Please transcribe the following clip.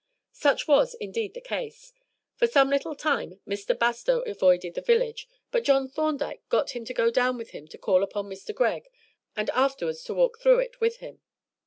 Such was indeed the case. For some little time Mr. Bastow avoided the village, but John Thorndyke got him to go down with him to call upon Mr. Greg, and afterwards to walk through it with him.